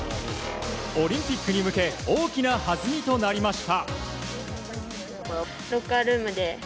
オリンピックに向け大きな弾みとなりました。